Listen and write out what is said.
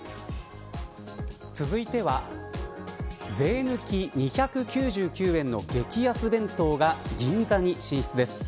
続いては税抜き２９９円の激安弁当が銀座に進出です。